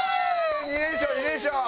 ２連勝２連勝！